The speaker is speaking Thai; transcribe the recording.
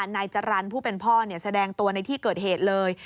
นายจรรย์ผู้เป็นพ่อแสดงตัวในที่เกิดเหตุเลย